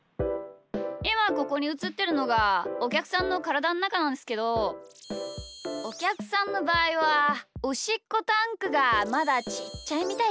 いまここにうつってるのがおきゃくさんのからだのなかなんすけどおきゃくさんのばあいはおしっこタンクがまだちっちゃいみたいっすね。